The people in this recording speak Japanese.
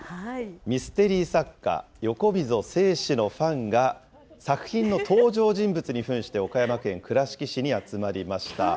ミステリー作家、横溝正史のファンが、作品の登場人物にふんして岡山県倉敷市に集まりました。